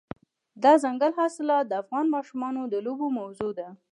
دځنګل حاصلات د افغان ماشومانو د لوبو موضوع ده.